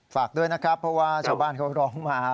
ฝากด้วยนะครับเพราะว่าชาวบ้านเขาร้องมา